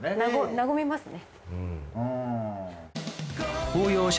和みますね。